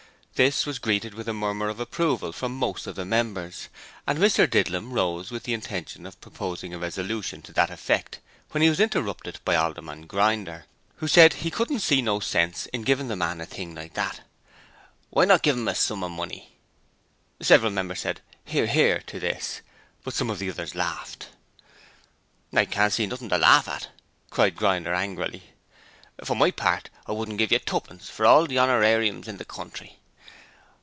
This was greeted with a murmur of approval from most of the members, and Mr Didlum rose with the intention of proposing a resolution to that effect when he was interrupted by Alderman Grinder, who said he couldn't see no sense in giving the man a thing like that. 'Why not give him a sum of money?' Several members said 'Hear, hear,' to this, but some of the others laughed. 'I can't see nothing to laugh at,' cried Grinder angrily. 'For my part I wouldn't give you tuppence for all the honorariums in the country.